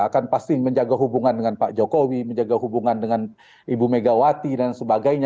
akan pasti menjaga hubungan dengan pak jokowi menjaga hubungan dengan ibu megawati dan sebagainya